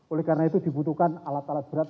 oleh karena itu dibutuhkan alat alat berat